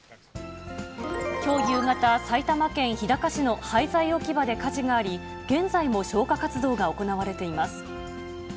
きょう夕方、埼玉県日高市の廃材置き場で火事があり、現在も消火活動が行われています。